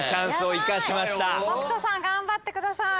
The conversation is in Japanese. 北斗さん頑張ってください。